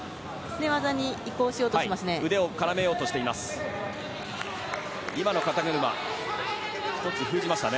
寝技に移行しようとしていましたね。